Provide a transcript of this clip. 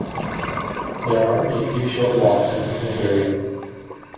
There are a few short walks and a picnic area.